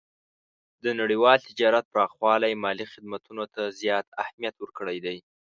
د نړیوال تجارت پراخوالی مالي خدمتونو ته زیات اهمیت ورکړی دی.